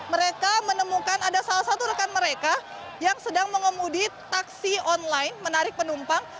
mereka menemukan ada salah satu rekan mereka yang sedang mengemudi taksi online menarik penumpang